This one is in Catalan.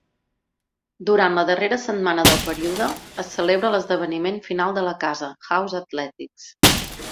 Durant la darrera setmana del període, es celebra l'esdeveniment final de la casa, House Athletics.